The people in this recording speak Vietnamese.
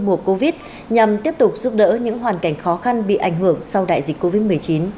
mùa covid nhằm tiếp tục giúp đỡ những hoàn cảnh khó khăn bị ảnh hưởng sau đại dịch covid một mươi chín